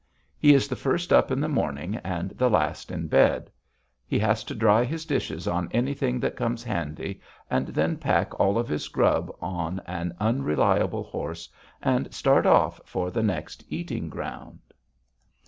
He is the first up in the morning and the last in bed. He has to dry his dishes on anything that comes handy, and then pack all of his grub on an unreliable horse and start off for the next eating ground.